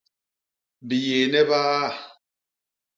Biyééne biaa.